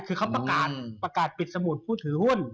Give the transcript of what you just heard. คือเขาประกาศปิดสมุดผู้ถือหุ้น